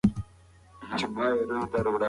هغه سړی ډېر هوښيار و.